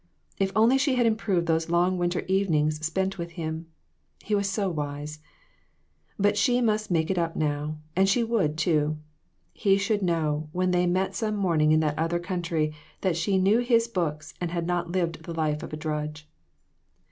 If only she had improved those long winter evenings spent with him ; he was so wise. But she must make it up, and she would, too. He should know, when they met some morning in that other country, that she knew his books and had not lived the life of a drudge.